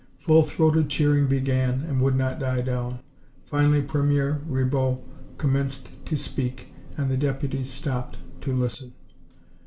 Full throated cheering began and would not die down. Finally Premier Ribot commenced to speak, and the deputies stopped to listen.